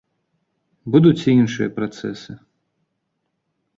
Будуць і іншыя працэсы.